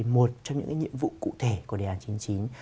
một trong những cái nhiệm vụ cụ thể của đề án chín mươi chín